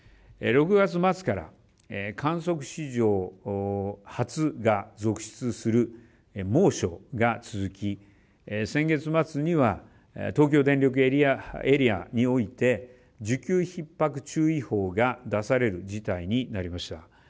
６月末から観測史上初が続出する猛暑が続き先月末には東京電力エリアにおいて需給ひっ迫注意報が出される事態になりました。